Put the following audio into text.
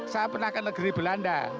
saya pernah ke negeri belanda